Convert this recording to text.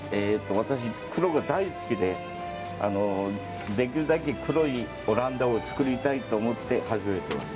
私、黒が大好きでできるだけ黒いオランダを作りたいと思って始めています。